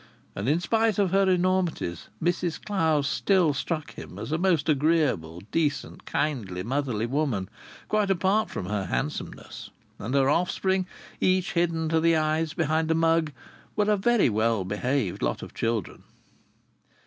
And in spite of her enormities, Mrs Clowes still struck him as a most agreeable, decent, kindly, motherly woman quite apart from her handsomeness. And her offspring, each hidden to the eyes behind a mug, were a very well behaved lot of children.